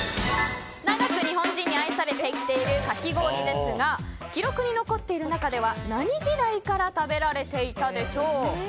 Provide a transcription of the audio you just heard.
長く日本人に愛されてきているかき氷ですが記録に残っている中では何時代から食べられていたでしょう。